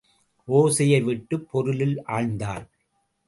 ஒசையை விட்டுப் பொருளில் ஆழ்ந்தாள்.